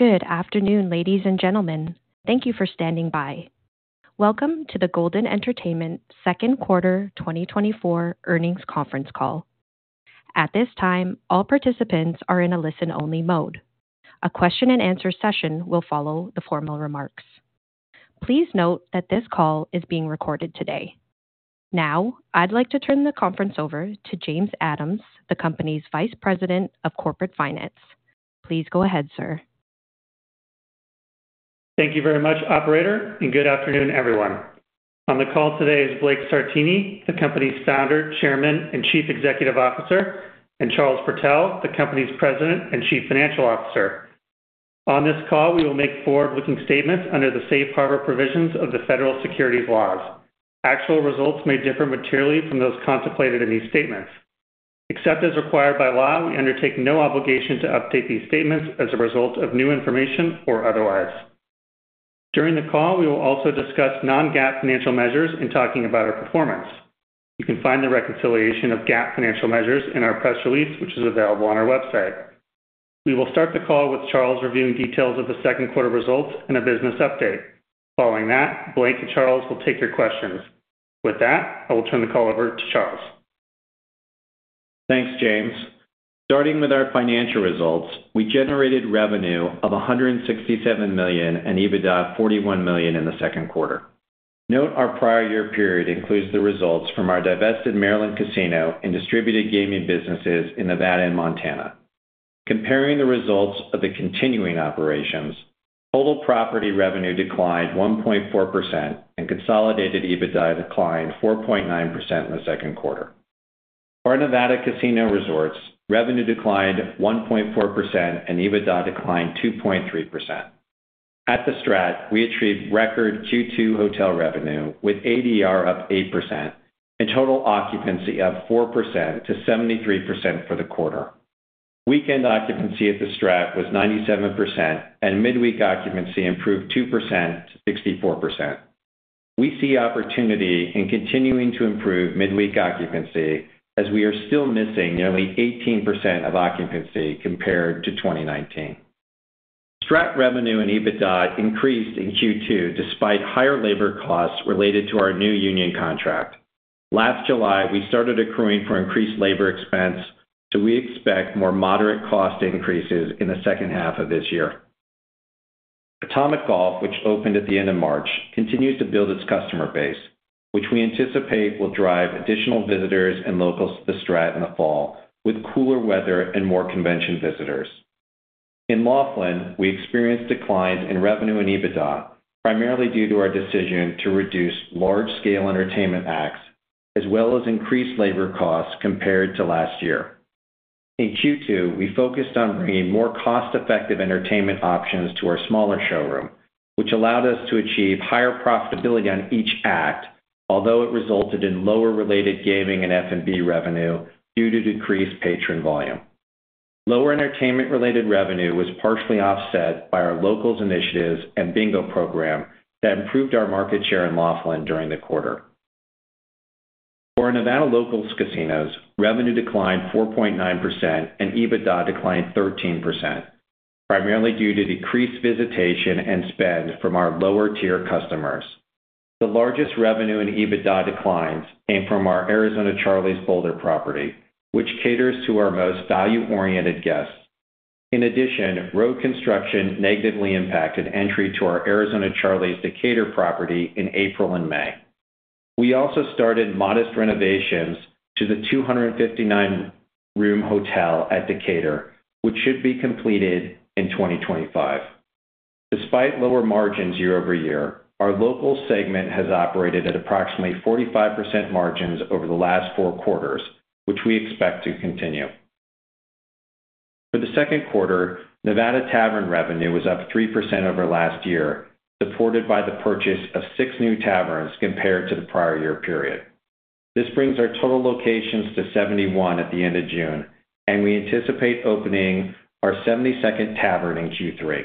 Good afternoon, ladies and gentlemen. Thank you for standing by. Welcome to the Golden Entertainment second quarter 2024 earnings conference call. At this time, all participants are in a listen-only mode. A question-and-answer session will follow the formal remarks. Please note that this call is being recorded today. Now, I'd like to turn the conference over to James Adams, the company's Vice President of Corporate Finance. Please go ahead, sir. Thank you very much, operator, and good afternoon, everyone. On the call today is Blake Sartini, the company's Founder, Chairman, and Chief Executive Officer, and Charles Protell, the company's President and Chief Financial Officer. On this call, we will make forward-looking statements under the safe harbor provisions of the federal securities laws. Actual results may differ materially from those contemplated in these statements. Except as required by law, we undertake no obligation to update these statements as a result of new information or otherwise. During the call, we will also discuss non-GAAP financial measures in talking about our performance. You can find the reconciliation of GAAP financial measures in our press release, which is available on our website. We will start the call with Charles reviewing details of the second quarter results and a business update. Following that, Blake and Charles will take your questions. With that, I will turn the call over to Charles. Thanks, James. Starting with our financial results, we generated revenue of $167 million and EBITDA of $41 million in the second quarter. Note, our prior year period includes the results from our divested Maryland casino and distributed gaming businesses in Nevada and Montana. Comparing the results of the continuing operations, total property revenue declined 1.4% and consolidated EBITDA declined 4.9% in the second quarter. Our Nevada casino resorts revenue declined 1.4% and EBITDA declined 2.3%. At the Strat, we achieved record Q2 hotel revenue, with ADR up 8% and total occupancy up 4% to 73% for the quarter. Weekend occupancy at the Strat was 97%, and midweek occupancy improved 2% to 64%. We see opportunity in continuing to improve midweek occupancy, as we are still missing nearly 18% of occupancy compared to 2019. Strat revenue and EBITDA increased in Q2 despite higher labor costs related to our new union contract. Last July, we started accruing for increased labor expense, so we expect more moderate cost increases in the second half of this year. Atomic Golf, which opened at the end of March, continues to build its customer base, which we anticipate will drive additional visitors and locals to the Strat in the fall, with cooler weather and more convention visitors. In Laughlin, we experienced declines in revenue and EBITDA, primarily due to our decision to reduce large-scale entertainment acts, as well as increased labor costs compared to last year. In Q2, we focused on bringing more cost-effective entertainment options to our smaller showroom, which allowed us to achieve higher profitability on each act, although it resulted in lower related gaming and F&B revenue due to decreased patron volume. Lower entertainment-related revenue was partially offset by our locals initiatives and bingo program that improved our market share in Laughlin during the quarter. For our Nevada locals casinos, revenue declined 4.9% and EBITDA declined 13%, primarily due to decreased visitation and spend from our lower-tier customers. The largest revenue in EBITDA declines came from our Arizona Charlie's Boulder property, which caters to our most value-oriented guests. In addition, road construction negatively impacted entry to our Arizona Charlie's Decatur property in April and May. We also started modest renovations to the 259-room hotel at Decatur, which should be completed in 2025. Despite lower margins year-over-year, our local segment has operated at approximately 45% margins over the last 4 quarters, which we expect to continue. For the second quarter, Nevada tavern revenue was up 3% over last year, supported by the purchase of 6 new taverns compared to the prior year period. This brings our total locations to 71 at the end of June, and we anticipate opening our 72nd tavern in Q3.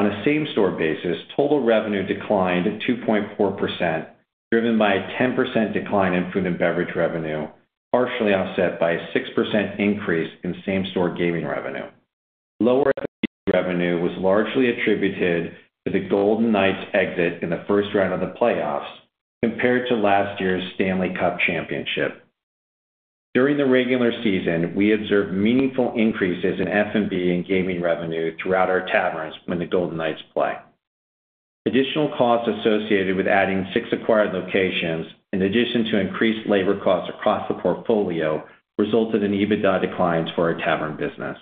On a same-store basis, total revenue declined 2.4%, driven by a 10% decline in food and beverage revenue, partially offset by a 6% increase in same-store gaming revenue. Lower revenue was largely attributed to the Golden Knights' exit in the first round of the playoffs compared to last year's Stanley Cup championship. During the regular season, we observed meaningful increases in F&B and gaming revenue throughout our taverns when the Golden Knights play. Additional costs associated with adding six acquired locations, in addition to increased labor costs across the portfolio, resulted in EBITDA declines for our tavern business.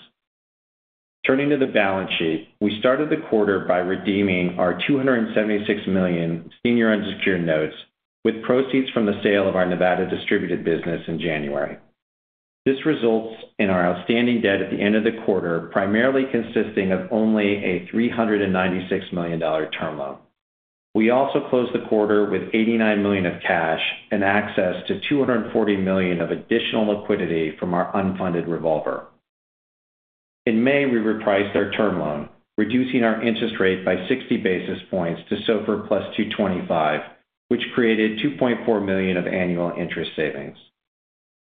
Turning to the balance sheet, we started the quarter by redeeming our $276 million senior unsecured notes with proceeds from the sale of our Nevada distributed business in January. This results in our outstanding debt at the end of the quarter, primarily consisting of only a $396 million term loan. We also closed the quarter with $89 million of cash and access to $240 million of additional liquidity from our unfunded revolver. In May, we repriced our term loan, reducing our interest rate by 60 basis points to SOFR plus 2.25, which created $2.4 million of annual interest savings.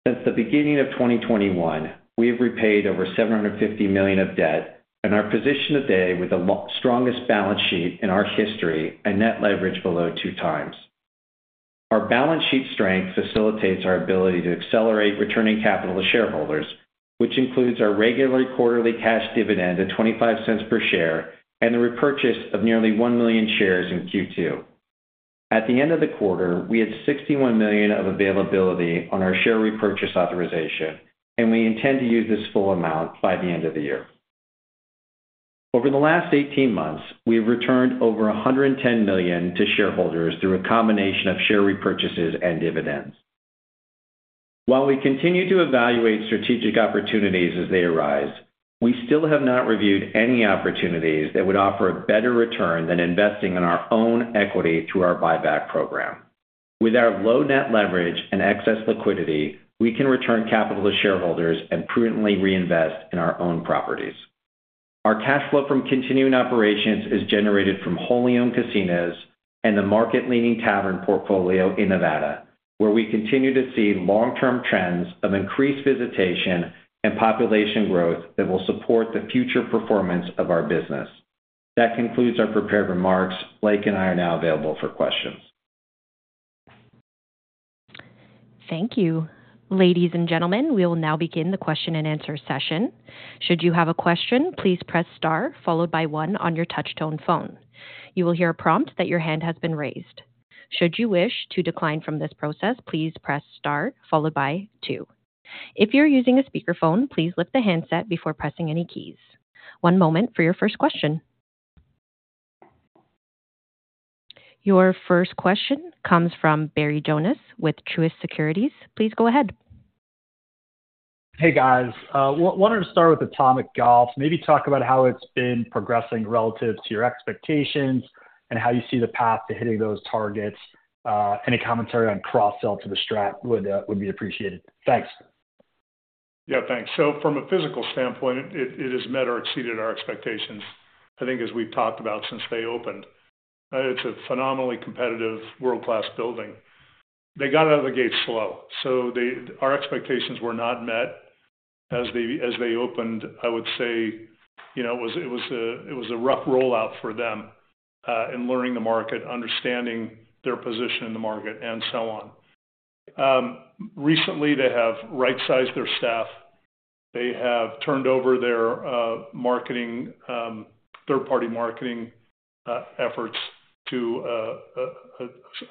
Since the beginning of 2021, we have repaid over $750 million of debt, and are positioned today with the most strongest balance sheet in our history and net leverage below 2x. Our balance sheet strength facilitates our ability to accelerate returning capital to shareholders, which includes our regular quarterly cash dividend of $0.25 per share and the repurchase of nearly 1 million shares in Q2. At the end of the quarter, we had $61 million of availability on our share repurchase authorization, and we intend to use this full amount by the end of the year. Over the last 18 months, we have returned over $110 million to shareholders through a combination of share repurchases and dividends. While we continue to evaluate strategic opportunities as they arise, we still have not reviewed any opportunities that would offer a better return than investing in our own equity through our buyback program. With our low net leverage and excess liquidity, we can return capital to shareholders and prudently reinvest in our own properties. Our cash flow from continuing operations is generated from wholly owned casinos and the market-leading tavern portfolio in Nevada, where we continue to see long-term trends of increased visitation and population growth that will support the future performance of our business. That concludes our prepared remarks. Blake and I are now available for questions. Thank you. Ladies and gentlemen, we will now begin the question-and-answer session. Should you have a question, please press star followed by one on your touchtone phone. You will hear a prompt that your hand has been raised. Should you wish to decline from this process, please press star followed by two. If you're using a speakerphone, please lift the handset before pressing any keys. One moment for your first question. Your first question comes from Barry Jonas with Truist Securities. Please go ahead. Hey, guys. Wanted to start with Atomic Golf. Maybe talk about how it's been progressing relative to your expectations and how you see the path to hitting those targets. Any commentary on cross sell to The STRAT would be appreciated. Thanks. Yeah, thanks. So from a physical standpoint, it has met or exceeded our expectations, I think as we've talked about since they opened. It's a phenomenally competitive world-class building. They got out of the gate slow, so they, our expectations were not met as they opened. I would say, you know, it was a rough rollout for them in learning the market, understanding their position in the market, and so on. Recently, they have right-sized their staff. They have turned over their marketing, third-party marketing efforts to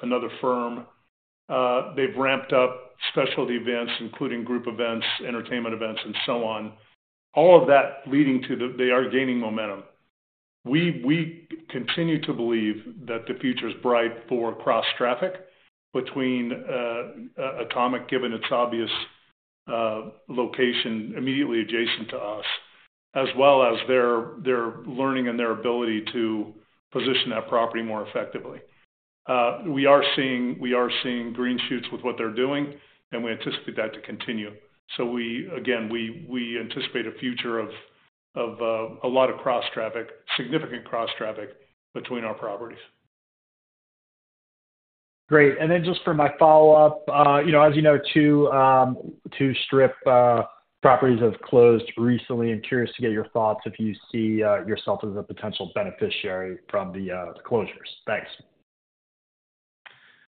another firm. They've ramped up specialty events, including group events, entertainment events, and so on. All of that leading to, they are gaining momentum. We continue to believe that the future is bright for cross-traffic between Atomic, given its obvious location, immediately adjacent to us, as well as their learning and their ability to position that property more effectively. We are seeing green shoots with what they're doing, and we anticipate that to continue. So we again anticipate a future of a lot of cross-traffic, significant cross-traffic between our properties. Great. And then just for my follow-up, you know, as you know, two Strip properties have closed recently. I'm curious to get your thoughts if you see yourself as a potential beneficiary from the closures. Thanks.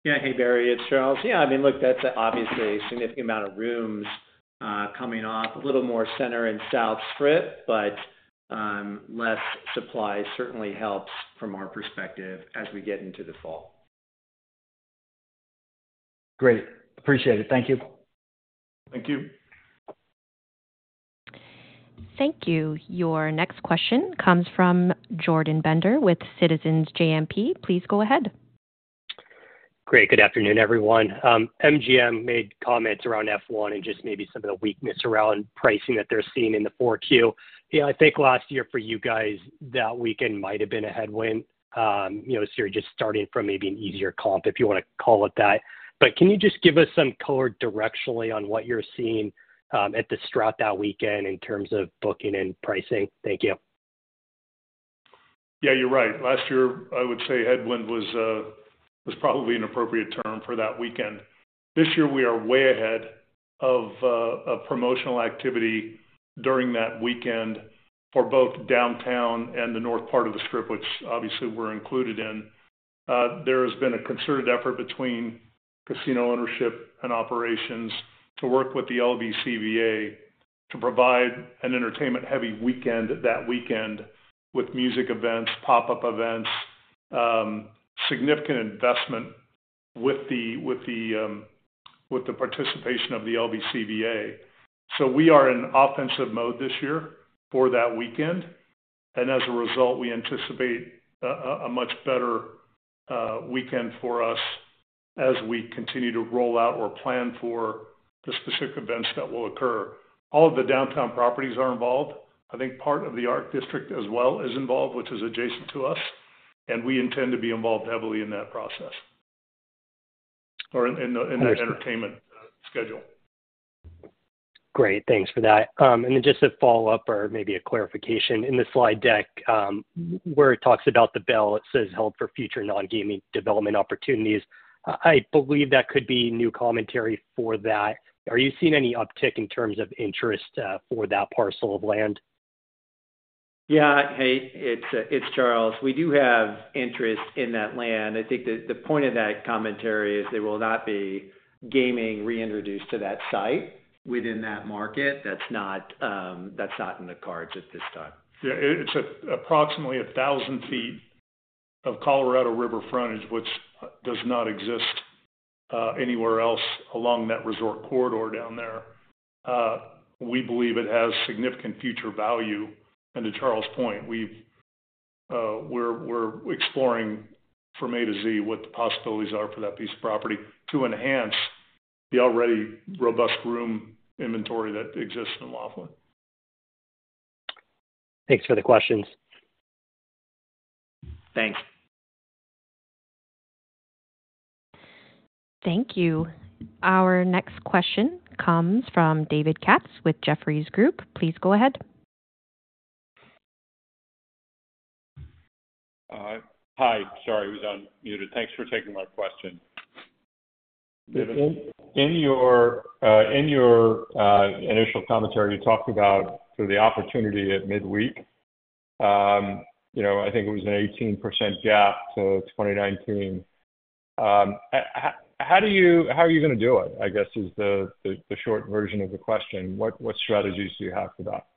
Yeah. Hey, Barry, it's Charles. Yeah, I mean, look, that's obviously a significant amount of rooms coming off a little more center and south Strip, but less supply certainly helps from our perspective as we get into the fall. Great. Appreciate it. Thank you. Thank you. Thank you. Your next question comes from Jordan Bender with Citizens JMP. Please go ahead. Great. Good afternoon, everyone. MGM made comments around F1 and just maybe some of the weakness around pricing that they're seeing in the 4Q. You know, I think last year for you guys, that weekend might have been a headwind. You know, so you're just starting from maybe an easier comp, if you wanna call it that. But can you just give us some color directionally on what you're seeing, at the Strat that weekend in terms of booking and pricing? Thank you. Yeah, you're right. Last year, I would say headwind was probably an appropriate term for that weekend. This year, we are way ahead of promotional activity during that weekend for both Downtown and the north part of the Strip, which obviously we're included in. There has been a concerted effort between casino ownership and operations to work with the LVCVA to provide an entertainment-heavy weekend that weekend, with music events, pop-up events, significant investment with the participation of the LVCVA. So we are in offensive mode this year for that weekend, and as a result, we anticipate a much better weekend for us as we continue to roll out or plan for the specific events that will occur. All of the Downtown properties are involved. I think part of the Arts District as well is involved, which is adjacent to us, and we intend to be involved heavily in that process, or in the entertainment schedule.... Great. Thanks for that. And then just a follow-up or maybe a clarification. In the slide deck, where it talks about the Belle, it says, "Held for future non-gaming development opportunities." I believe that could be new commentary for that. Are you seeing any uptick in terms of interest for that parcel of land? Yeah. Hey, it's Charles. We do have interest in that land. I think the point of that commentary is there will not be gaming reintroduced to that site within that market. That's not, that's not in the cards at this time. Yeah, it's approximately 1,000 feet of Colorado River frontage, which does not exist anywhere else along that resort corridor down there. We believe it has significant future value. And to Charles' point, we've, we're exploring from A to Z what the possibilities are for that piece of property to enhance the already robust room inventory that exists in Laughlin. Thanks for the questions. Thanks. Thank you. Our next question comes from David Katz with Jefferies Group. Please go ahead. Hi. Sorry, I was on muted. Thanks for taking my question. David. In your initial commentary, you talked about the opportunity at midweek. You know, I think it was an 18% gap to 2019. How are you gonna do it? I guess is the short version of the question. What strategies do you have for that?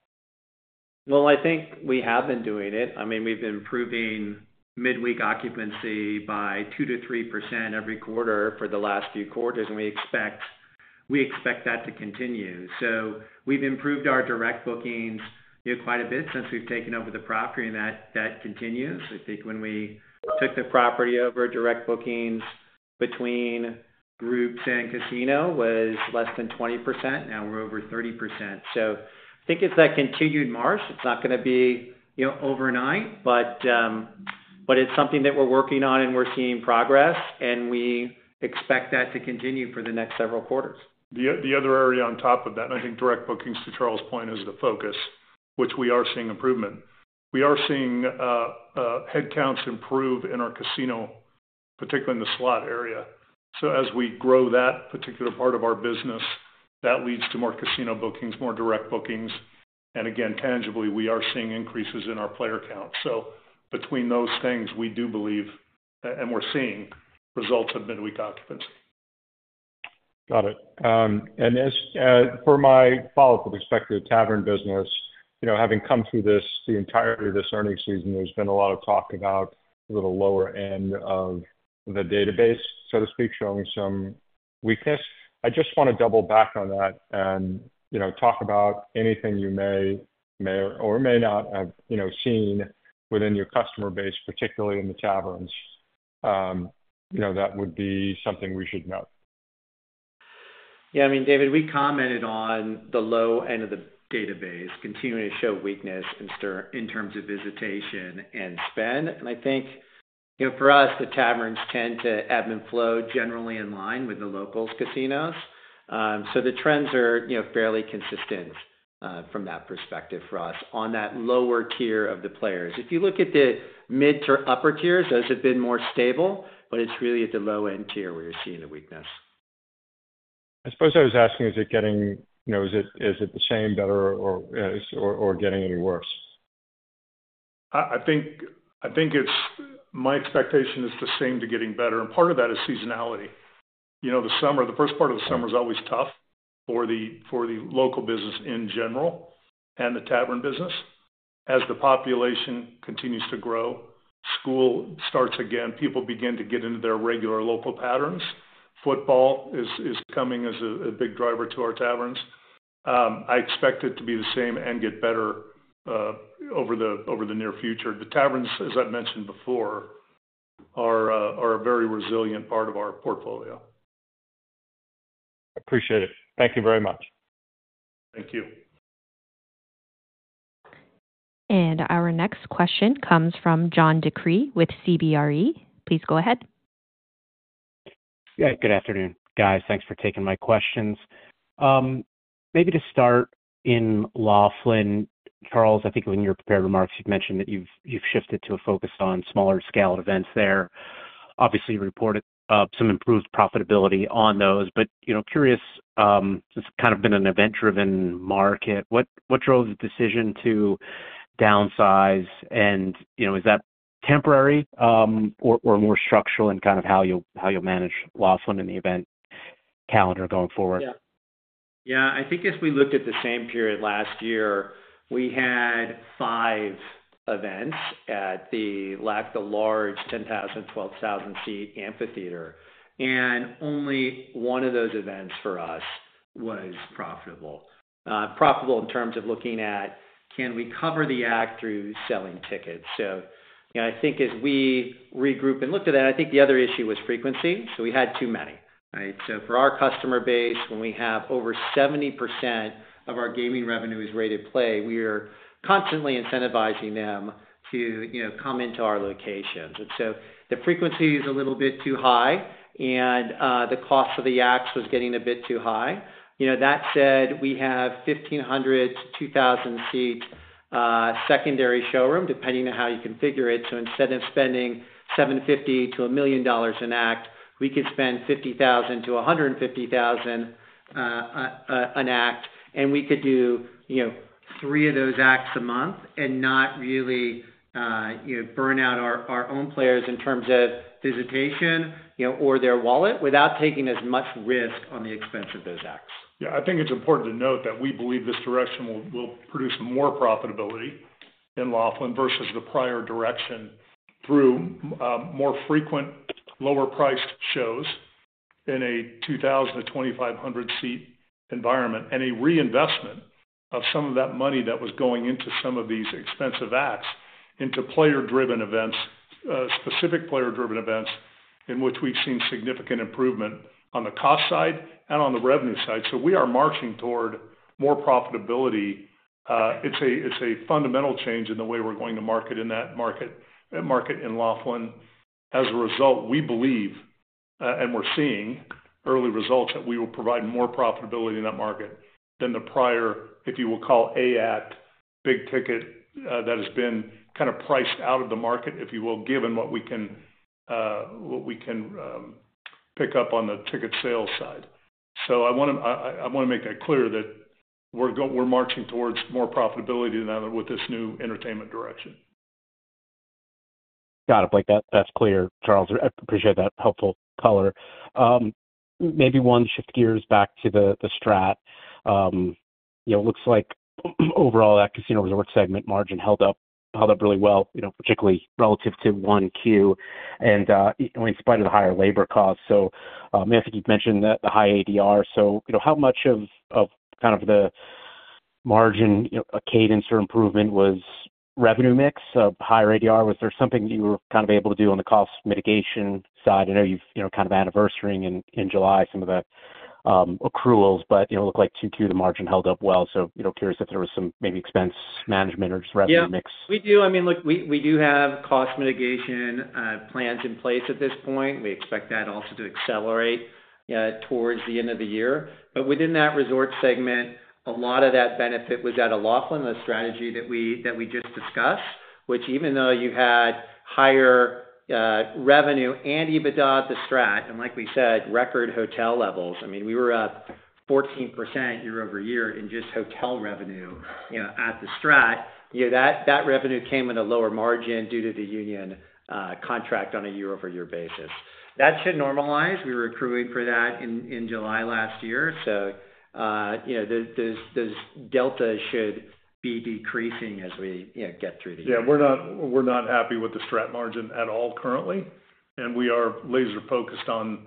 Well, I think we have been doing it. I mean, we've been improving midweek occupancy by 2%-3% every quarter for the last few quarters, and we expect, we expect that to continue. So we've improved our direct bookings, you know, quite a bit since we've taken over the property, and that, that continues. I think when we took the property over, direct bookings between groups and casino was less than 20%. Now, we're over 30%. So I think it's that continued march. It's not gonna be, you know, overnight, but, but it's something that we're working on, and we're seeing progress, and we expect that to continue for the next several quarters. The other area on top of that, and I think direct bookings, to Charles' point, is the focus, which we are seeing improvement. We are seeing headcounts improve in our casino, particularly in the slot area. So as we grow that particular part of our business, that leads to more casino bookings, more direct bookings, and again, tangibly, we are seeing increases in our player count. So between those things, we do believe, and we're seeing results of midweek occupancy. Got it. And as for my follow-up with respect to the tavern business, you know, having come through this, the entirety of this earnings season, there's been a lot of talk about the lower end of the database, so to speak, showing some weakness. I just want to double back on that and, you know, talk about anything you may or may not have, you know, seen within your customer base, particularly in the taverns, you know, that would be something we should note. Yeah, I mean, David, we commented on the low end of the database continuing to show weakness in—in terms of visitation and spend. And I think, you know, for us, the taverns tend to ebb and flow generally in line with the locals casinos. So the trends are, you know, fairly consistent from that perspective for us on that lower tier of the players. If you look at the mid to upper tiers, those have been more stable, but it's really at the low-end tier where you're seeing the weakness. I suppose I was asking, is it getting... You know, is it, is it the same, better, or, or getting any worse? I think it's my expectation is the same to getting better, and part of that is seasonality. You know, the summer, the first part of the summer is always tough for the local business in general and the tavern business. As the population continues to grow, school starts again, people begin to get into their regular local patterns. Football is coming as a big driver to our taverns. I expect it to be the same and get better over the near future. The taverns, as I've mentioned before, are a very resilient part of our portfolio. Appreciate it. Thank you very much. Thank you. Our next question comes from John DeCree with CBRE. Please go ahead. Yeah, good afternoon, guys. Thanks for taking my questions. Maybe to start in Laughlin, Charles, I think in your prepared remarks, you've mentioned that you've shifted to a focus on smaller scale events there. Obviously, you reported some improved profitability on those, but, you know, curious, it's kind of been an event-driven market. What drove the decision to downsize? And, you know, is that temporary, or more structural in kind of how you'll manage Laughlin in the event calendar going forward? Yeah. Yeah, I think if we looked at the same period last year, we had 5 events at the STRAT-- the large 10,000-, 12,000-seat amphitheater, and only 1 of those events for us was profitable. Profitable in terms of looking at, can we cover the act through selling tickets? So, you know, I think as we regrouped and looked at that, I think the other issue was frequency, so we had too many, right? So for our customer base, when we have over 70% of our gaming revenue is rated play, we are constantly incentivizing them to, you know, come into our locations. And so the frequency is a little bit too high, and the cost of the acts was getting a bit too high. You know, that said, we have 1,500- to 2,000-seat secondary showroom, depending on how you configure it. So instead of spending $750-$1 million an act, we could spend $50,000-$150,000 an act, and we could do, you know, 3 of those acts a month and not really, you know, burn out our, our own players in terms of visitation, you know, or their wallet, without taking as much risk on the expense of those acts. Yeah, I think it's important to note that we believe this direction will produce more profitability in Laughlin versus the prior direction, through more frequent, lower-priced shows in a 2,000-2,500-seat environment, and a reinvestment of some of that money that was going into some of these expensive acts into player-driven events, specific player-driven events, in which we've seen significant improvement on the cost side and on the revenue side. So we are marching toward more profitability. It's a fundamental change in the way we're going to market in that market, that market in Laughlin. As a result, we believe, and we're seeing early results, that we will provide more profitability in that market than the prior, if you will, call A act, big ticket, that has been kind of priced out of the market, if you will, given what we can pick up on the ticket sales side. So I want to, I want to make that clear that we're marching towards more profitability now with this new entertainment direction. Got it. Like that, that's clear, Charles. I appreciate that helpful color. Maybe one, shift gears back to the Strat. You know, it looks like overall, that casino resort segment margin held up, held up really well, you know, particularly relative to 1Q, and in spite of the higher labor costs. So, I think you've mentioned the high ADR. So, you know, how much of kind of the margin, you know, cadence or improvement was revenue mix, so higher ADR? Was there something you were kind of able to do on the cost mitigation side? I know you've, you know, kind of anniversarying in July some of the accruals, but, you know, it looked like Q2, the margin held up well. So, you know, curious if there was some maybe expense management or just revenue mix. Yeah, we do. I mean, look, we do have cost mitigation plans in place at this point. We expect that also to accelerate towards the end of the year. But within that resort segment, a lot of that benefit was out of Laughlin, the strategy that we just discussed, which even though you had higher revenue and EBITDA at the Strat, and like we said, record hotel levels, I mean, we were up 14% year-over-year in just hotel revenue, you know, at the Strat. You know, that revenue came with a lower margin due to the union contract on a year-over-year basis. That should normalize. We were accruing for that in July last year. So, you know, those deltas should be decreasing as we, you know, get through the year. Yeah, we're not, we're not happy with the Strat margin at all currently, and we are laser focused on,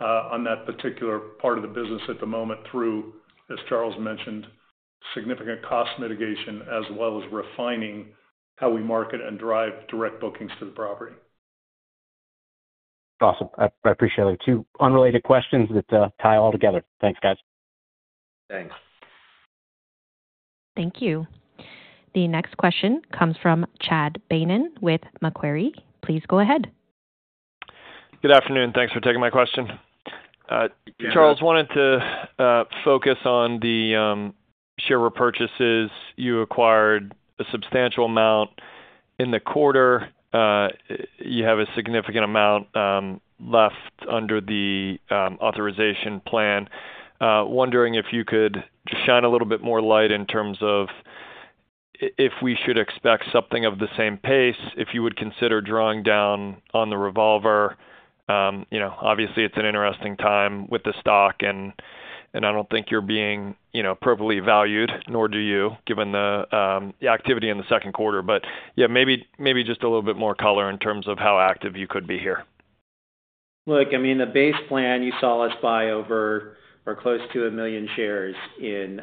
on that particular part of the business at the moment through, as Charles mentioned, significant cost mitigation, as well as refining how we market and drive direct bookings to the property. Awesome. I, I appreciate it. Two unrelated questions that tie all together. Thanks, guys. Thanks. Thank you. The next question comes from Chad Beynon with Macquarie. Please go ahead. Good afternoon, thanks for taking my question. Yeah. Charles, wanted to focus on the share repurchases. You acquired a substantial amount in the quarter. You have a significant amount left under the authorization plan. Wondering if you could just shine a little bit more light in terms of if we should expect something of the same pace, if you would consider drawing down on the revolver. You know, obviously, it's an interesting time with the stock, and I don't think you're being, you know, appropriately valued, nor do you, given the the activity in the second quarter. But yeah, maybe just a little bit more color in terms of how active you could be here. Look, I mean, the base plan, you saw us buy over or close to 1 million shares in,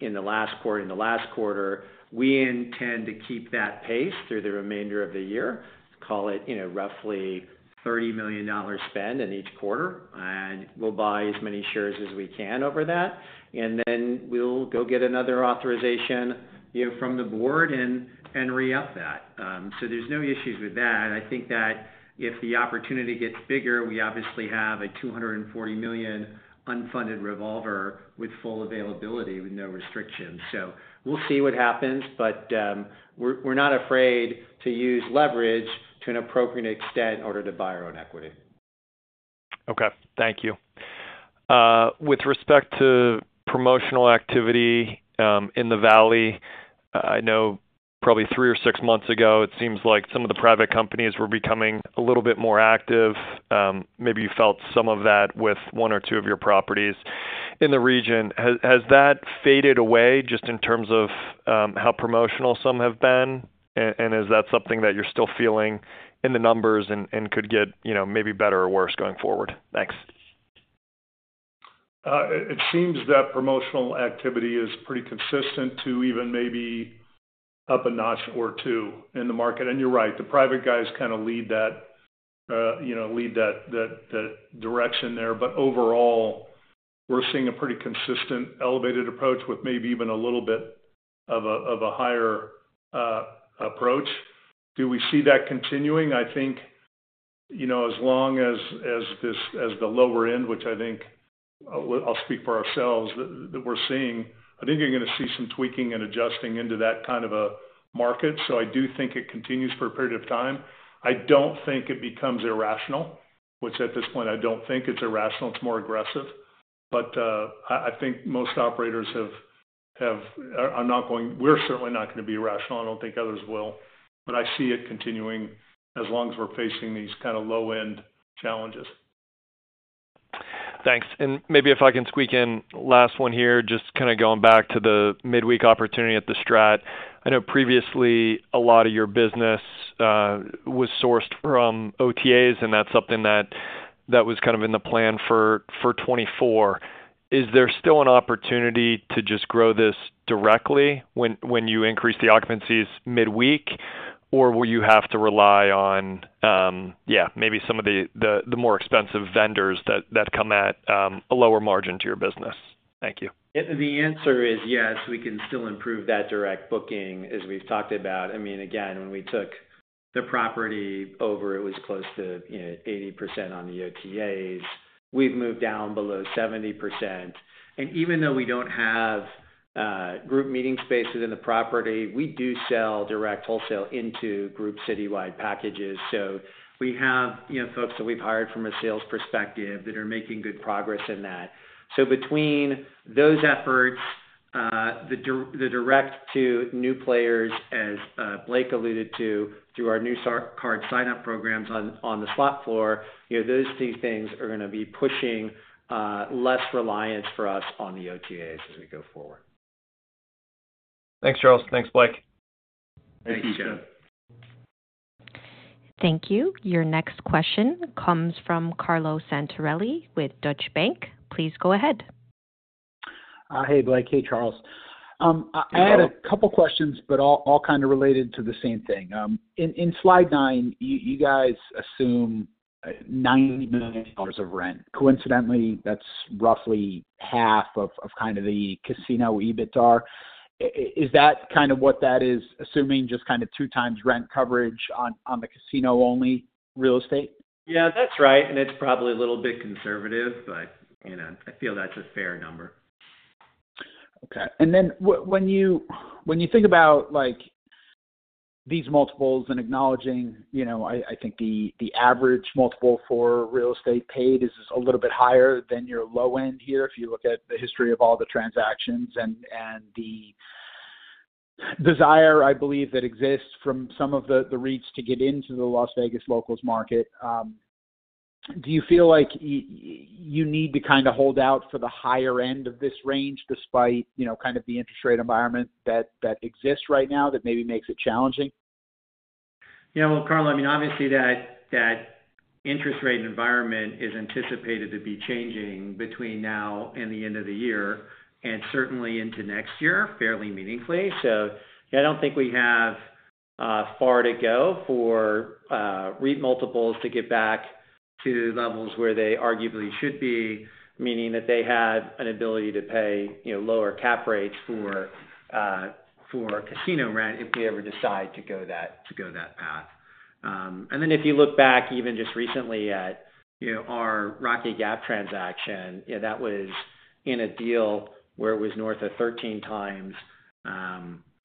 in the last quarter, in the last quarter. We intend to keep that pace through the remainder of the year. Call it, you know, roughly $30 million spend in each quarter, and we'll buy as many shares as we can over that. And then we'll go get another authorization, you know, from the board and, and re-up that. So there's no issues with that. I think that if the opportunity gets bigger, we obviously have a $240 million unfunded revolver with full availability, with no restrictions. So we'll see what happens, but, we're, we're not afraid to use leverage to an appropriate extent in order to buy our own equity. Okay, thank you. With respect to promotional activity, in the valley, I know probably three or six months ago, it seems like some of the private companies were becoming a little bit more active. Maybe you felt some of that with one or two of your properties in the region. Has, has that faded away just in terms of, how promotional some have been? And, and is that something that you're still feeling in the numbers and, and could get, you know, maybe better or worse going forward? Thanks. It seems that promotional activity is pretty consistent to even maybe up a notch or two in the market. And you're right, the private guys kind of lead that, you know, direction there. But overall, we're seeing a pretty consistent elevated approach with maybe even a little bit of a higher approach. Do we see that continuing? I think, you know, as long as this, as the lower end, which I think, I'll speak for ourselves, that we're seeing, I think you're gonna see some tweaking and adjusting into that kind of a market. So I do think it continues for a period of time. I don't think it becomes irrational, which at this point, I don't think it's irrational, it's more aggressive. But I think most operators are not going, we're certainly not gonna be rational. I don't think others will. But I see it continuing as long as we're facing these kind of low-end challenges. Thanks. And maybe if I can squeak in last one here, just kind of going back to the midweek opportunity at the STRAT. I know previously, a lot of your business was sourced from OTAs, and that's something that, that was kind of in the plan for, for 2024. Is there still an opportunity to just grow this directly when, when you increase the occupancies midweek? Or will you have to rely on, yeah, maybe some of the, the, the more expensive vendors that, that come at, a lower margin to your business? Thank you. The answer is yes, we can still improve that direct booking, as we've talked about. I mean, again, when we took the property over, it was close to, you know, 80% on the OTAs. We've moved down below 70%, and even though we don't have group meeting spaces in the property, we do sell direct wholesale into group citywide packages. So we have, you know, folks that we've hired from a sales perspective that are making good progress in that. So between those efforts, the direct to new players, as Blake alluded to, through our new Strat card sign-up programs on the slot floor, you know, those two things are gonna be pushing less reliance for us on the OTAs as we go forward. Thanks, Charles. Thanks, Blake. Thanks, Joe. Thanks, Joe. Thank you. Your next question comes from Carlo Santarelli with Deutsche Bank. Please go ahead. Hey, Blake. Hey, Charles. I had a couple questions, but all kind of related to the same thing. In slide 9, you guys assume $90 million of rent. Coincidentally, that's roughly half of kind of the casino EBITDAR. Is that kind of what that is, assuming just kind of 2x rent coverage on the casino-only real estate? Yeah, that's right, and it's probably a little bit conservative, but, you know, I feel that's a fair number. Okay. And then when you, when you think about, like, these multiples and acknowledging, you know, I, I think the, the average multiple for real estate paid is a little bit higher than your low end here, if you look at the history of all the transactions and, and the desire, I believe, that exists from some of the, the REITs to get into the Las Vegas locals market, do you feel like you need to kind of hold out for the higher end of this range, despite, you know, kind of the interest rate environment that, that exists right now, that maybe makes it challenging? Yeah, well, Carlo, I mean, obviously that, that interest rate environment is anticipated to be changing between now and the end of the year, and certainly into next year, fairly meaningfully. So I don't think we have far to go for REIT multiples to get back to levels where they arguably should be, meaning that they have an ability to pay, you know, lower cap rates for, for casino rent, if we ever decide to go that, to go that path. And then if you look back, even just recently at, you know, our Rocky Gap transaction, yeah, that was in a deal where it was north of 13x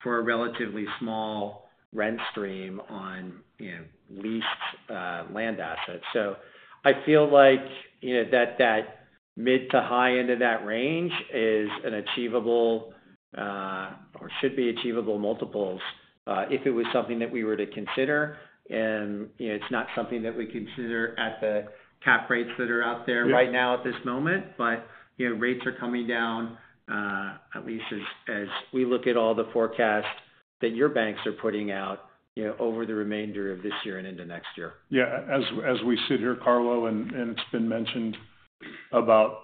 for a relatively small rent stream on, you know, leased, land assets. So I feel like, you know, that, that mid to high end of that range is an achievable, or should be achievable multiples, if it was something that we were to consider, and, you know, it's not something that we consider at the cap rates that are out there right now at this moment. But, you know, rates are coming down, at least as, as we look at all the forecasts that your banks are putting out, you know, over the remainder of this year and into next year. Yeah, as we sit here, Carlo, and it's been mentioned about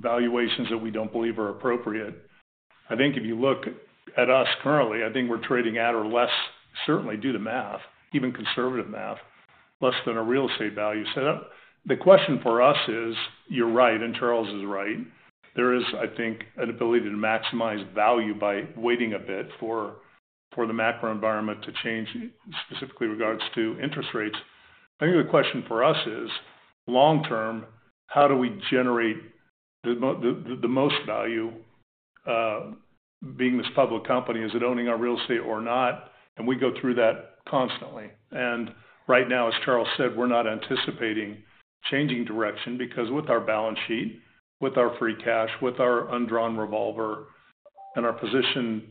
valuations that we don't believe are appropriate. I think if you look at us currently, I think we're trading at or less, certainly due to math, even conservative math, less than a real estate value. So the question for us is, you're right, and Charles is right, there is, I think, an ability to maximize value by waiting a bit for the macro environment to change, specifically in regards to interest rates. I think the question for us is, long term, how do we generate the most value, being this public company? Is it owning our real estate or not? And we go through that constantly. And right now, as Charles said, we're not anticipating changing direction, because with our balance sheet, with our free cash, with our undrawn revolver and our position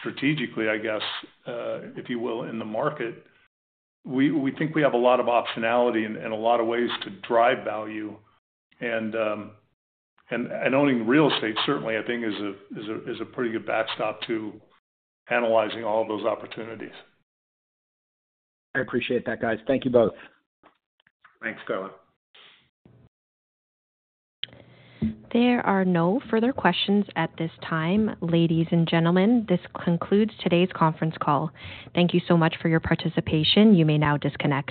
strategically, I guess, if you will, in the market, we think we have a lot of optionality and a lot of ways to drive value. And owning real estate, certainly, I think is a pretty good backstop to analyzing all of those opportunities. I appreciate that, guys. Thank you both. Thanks, Carlo. There are no further questions at this time. Ladies and gentlemen, this concludes today's conference call. Thank you so much for your participation. You may now disconnect.